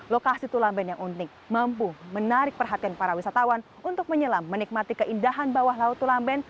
lokasi tulamben yang unik mampu menarik perhatian para wisatawan untuk menyelam menikmati keindahan bawah laut tulamben